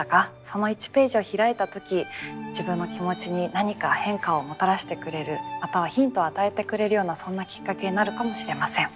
その１ページを開いた時自分の気持ちに何か変化をもたらせてくれるまたはヒントを与えてくれるようなそんなきっかけになるかもしれません。